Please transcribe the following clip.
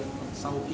bị ảnh hưởng vừa qua